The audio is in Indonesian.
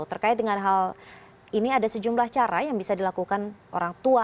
terkait dengan hal ini ada sejumlah cara yang bisa dilakukan orang tua